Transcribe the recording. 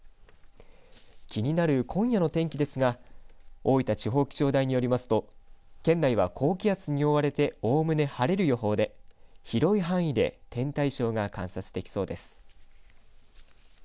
気になる今夜の天気ですが大分地方気象台によりますと県内は高気圧に覆われておおむね晴れる予報で広い範囲で天体ショーが観察できそうです。